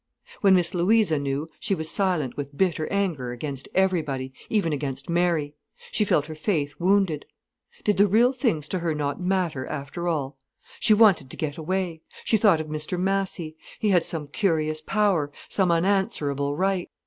When Miss Louisa knew, she was silent with bitter anger against everybody, even against Mary. She felt her faith wounded. Did the real things to her not matter after all? She wanted to get away. She thought of Mr Massy. He had some curious power, some unanswerable right.